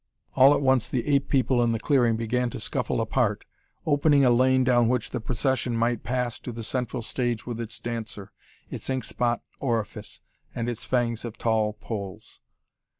All at once the ape people in the clearing began to scuffle apart, opening a lane down which the procession might pass to the central stage with its dancer, its ink spot orifice, and its fangs of tall poles.